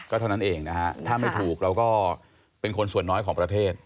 เท่านั้นเองนะฮะถ้าไม่ถูกเราก็เป็นคนส่วนน้อยของประเทศ